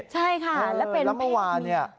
ใช่ค่ะแล้วเป็นเพศนี้แล้วเมื่อวานเนี่ย